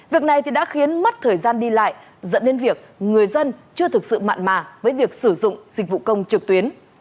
việc này đã khiến mất thời gian đi lại dẫn đến việc người dân chưa thực sự mặn mà với việc sử dụng dịch vụ công trực tuyến